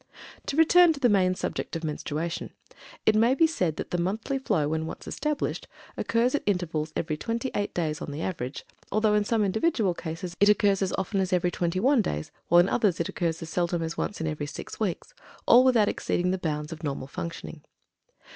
To return to the main subject of Menstruation, it may be said that the monthly flow, when once established, occurs at intervals of every twenty eight days, on the average, although in some individual cases it occurs as often as every twenty one days, while in others it occurs as seldom as once in every six weeks, all without exceeding the bounds of normal functioning.